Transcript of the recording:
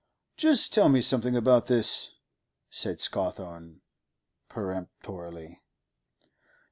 'Just tell me something about this,' said Scawthorne peremptorily.